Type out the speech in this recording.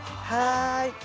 はい。